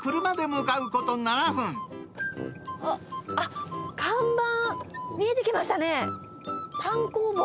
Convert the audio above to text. あっ、看板見えてきましたね。